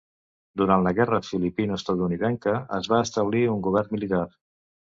Durant la guerra filipino-estatunidenca es va establir un govern militar.